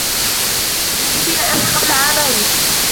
توفي أبي قبل عامين.